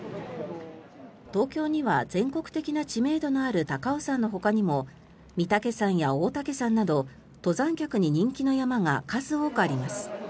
東京には全国的な知名度のある高尾山のほかにも御岳山や大岳山など登山客に人気の山が数多くあります。